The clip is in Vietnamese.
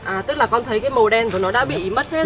à tức là con thấy cái màu đen của nó đã bị mất hết